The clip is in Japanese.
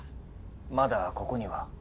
まだここには。